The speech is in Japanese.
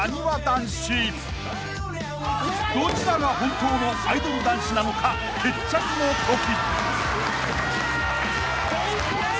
［どちらが本当のアイドル男子なのか決着の時］